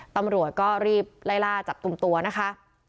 ตำรวจก็รีบไล่ล่าจับกลุ่มตัวนะคะ